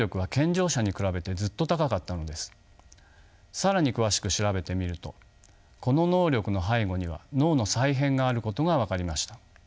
更に詳しく調べてみるとこの能力の背後には脳の再編があることが分かりました。